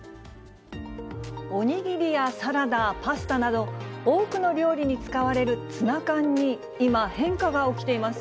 お握りやサラダ、パスタなど、多くの料理に使われるツナ缶に今、変化が起きています。